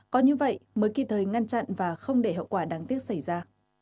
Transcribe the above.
có như vậy mới kịp thời ngăn chặn và không để hậu quả đáng tiếc xảy ra